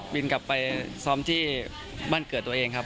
บินกลับไปซ้อมที่บ้านเกิดตัวเองครับ